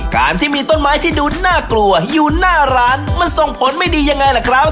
การที่มีต้นไม้ที่ดูน่ากลัวอยู่หน้าร้านมันส่งผลไม่ดียังไงล่ะครับ